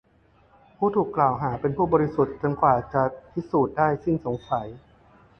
ผู้ถูกกล่าวหาเป็นผู้บริสุทธิ์จนกว่าจะพิสูจน์ได้สิ้นสงสัย